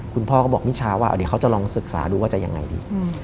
คุณพ่อก็บอกมิชาว่าเดี๋ยวเขาจะลองศึกษาดูว่าจะยังไงดี